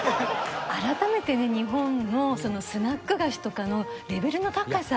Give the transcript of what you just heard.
改めてね日本のスナック菓子とかのレベルの高さ。